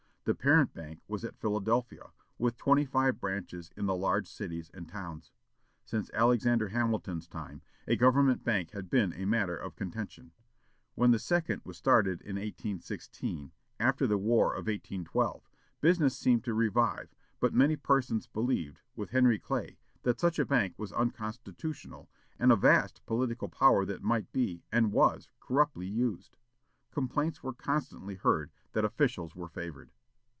The parent bank was at Philadelphia, with twenty five branches in the large cities and towns. Since Alexander Hamilton's time, a government bank had been a matter of contention. When the second was started in 1816, after the war of 1812, business seemed to revive, but many persons believed, with Henry Clay, that such a bank was unconstitutional, and a vast political power that might be, and was, corruptly used. Complaints were constantly heard that officials were favored.